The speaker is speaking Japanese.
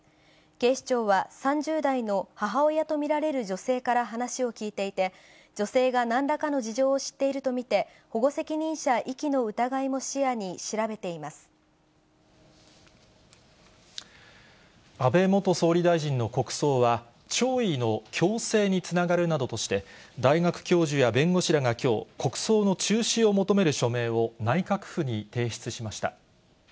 警視庁は３０代の母親と見られる女性から話を聴いていて、女性がなんらかの事情を知っていると見て、保護責任者遺棄の疑いも視野安倍元総理大臣の国葬は、弔意の強制につながるなどとして、大学教授や弁護士らがきょう、国葬の中止を求める署名を、内閣府に提出しました。